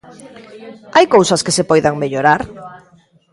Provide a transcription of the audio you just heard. ¿Hai cousas que se poidan mellorar?